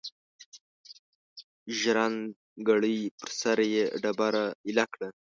ژرندګړی پر سر یې ډبره ایله کړه.